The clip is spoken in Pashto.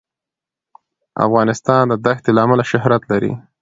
افغانستان د دښتې له امله شهرت لري.